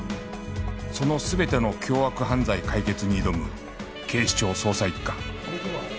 その全ての凶悪犯罪解決に挑む警視庁捜査一課